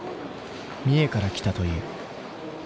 三重から来たという。